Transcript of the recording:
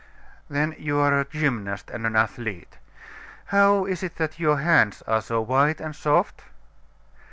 "Then you are a gymnast and an athlete. How is it that your hands are so white and soft?"